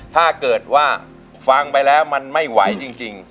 ถ้าเกิดว่าฟังไปแล้วมันไม่ไหวจริง